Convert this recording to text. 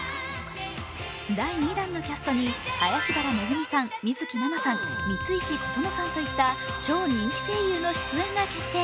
第２弾のキャストに、林原めぐみさん、水樹奈々さん、三石琴乃さんといった超人気声優の出演が決定。